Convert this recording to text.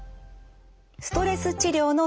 ストレス治療の専門家